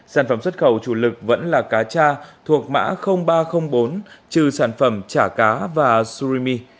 sản phẩm xuất khẩu chủ lực vẫn là cá cha thuộc mã ba trăm linh bốn trừ sản phẩm chả cá và surimi